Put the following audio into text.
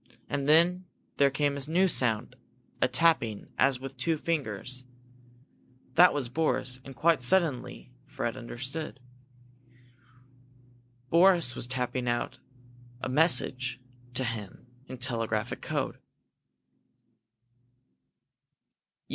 And then there came a new sound, a tapping, as with two fingers. That was Boris, and quite suddenly Fred understood. Boris was tapping out a message to him in telegraphic code.